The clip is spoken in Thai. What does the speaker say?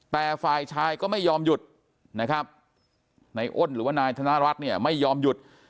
แต่ฝ่ายชายก็ไม่ยอมหยุดในอ้นหรือว่านายธนรัฐไม่ยอมหยุด